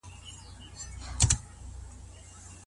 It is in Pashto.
خلع کول څه معنی لري؟